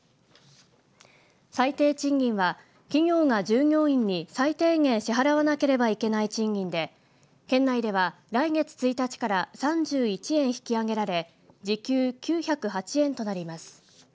最低賃金は企業が従業員に最低限、支払わなければいけない賃金で県内では来月１日から３１円引き上げられ時給９０８円となります。